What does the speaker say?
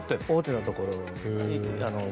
大手のところに。